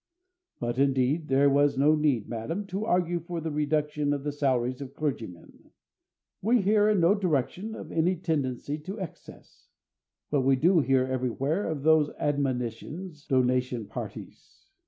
But, indeed, there was no need, madam, to argue for the reduction of the salaries of clergymen. We hear in no direction of any tendency to excess; but we do hear everywhere of those abominations, "donation parties!"